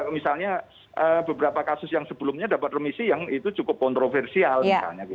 misalnya beberapa kasus yang sebelumnya dapat remisi yang itu cukup kontroversial misalnya